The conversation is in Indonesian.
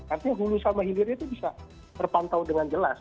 artinya hulu sama hilirnya itu bisa terpantau dengan jelas